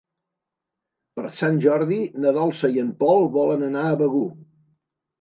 Per Sant Jordi na Dolça i en Pol volen anar a Begur.